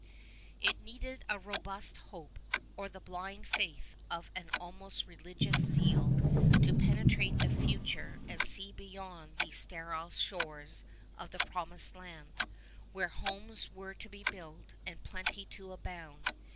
It needed a robust hope, or the blind faith of an almost religious zeal, to penetrate the future and see beyond these sterile shores the Promised Land, where homes were to be built, and plenty to abound.